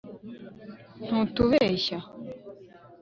ntutubeshya